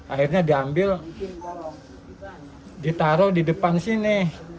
akhirnya diambil ditaruh di depan sini